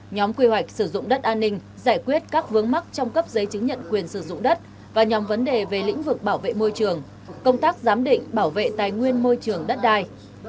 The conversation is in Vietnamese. nhóm quy hoạch sử dụng đất an ninh giải quyết các vướng mắc trong cấp giấy chứng nhận quyền sử dụng đất và nhóm vấn đề về lĩnh vực bảo vệ môi trường công tác giám định bảo vệ tài nguyên môi trường đất đai